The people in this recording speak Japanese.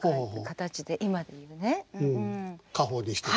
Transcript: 家宝にしている。